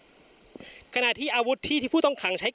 พร้อมด้วยผลตำรวจเอกนรัฐสวิตนันอธิบดีกรมราชทัน